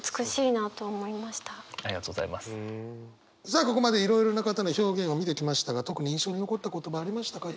さあここまでいろいろな方の表現を見てきましたが特に印象に残った言葉ありましたか？